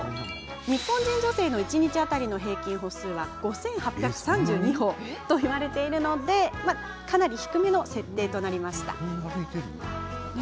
日本人女性の一日当たりの平均歩数は５８３２歩といわれているのでかなり低めの設定です。